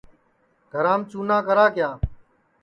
گھرام چُنا کرا کیا